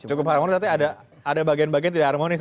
cukup harmonis berarti ada bagian bagian tidak harmonis